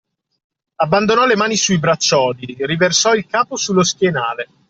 Abbandonò le mani sui braccioli, riversò il capo sullo schienale.